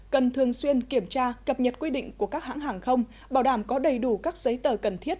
cần thường xuyên kiểm tra cập nhật quy định của các hãng hàng không bảo đảm có đầy đủ các giấy tờ cần thiết